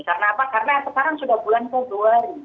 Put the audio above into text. karena apa karena sekarang sudah bulan februari